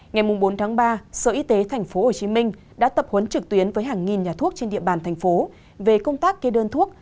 ngày bốn tháng ba sở y tế tp hcm đã tập huấn trực tuyến với hàng nghìn nhà thuốc trên địa bàn thành phố về công tác kê đơn thuốc